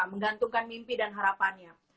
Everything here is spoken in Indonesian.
menggantungkan mimpi dan harapannya